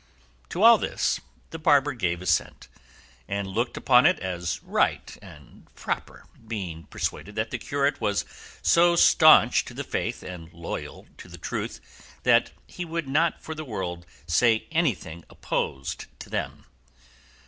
To all this the barber gave his assent, and looked upon it as right and proper, being persuaded that the curate was so staunch to the Faith and loyal to the Truth that he would not for the world say anything opposed to them.